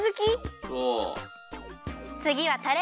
つぎはたれ。